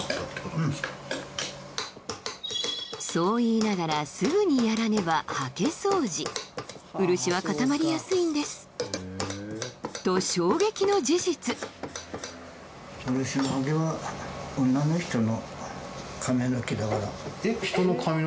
うんそう言いながらすぐにやらねば刷毛掃除漆は固まりやすいんですと衝撃の事実えっ？えっ？え？